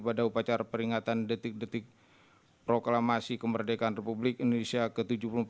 pada upacara peringatan detik detik proklamasi kemerdekaan republik indonesia ke tujuh puluh empat